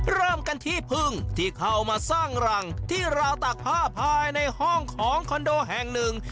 เริ่มกันที่พึ่งที่เข้ามาสร้างรังที่ราวตากผ้าภายในห้องของคอนโดแห่งหนึ่ง